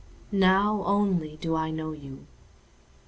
Now only do I know you!